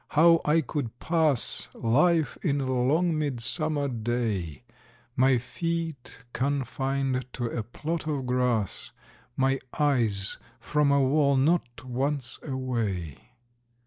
How I could pass Life in a long midsummer day, My feet confined to a plot of grass, My eyes from a wall not once away!